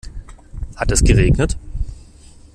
Hat es geregnet?